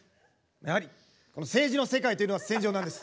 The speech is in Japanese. やはり政治の世界というのは戦場なんです。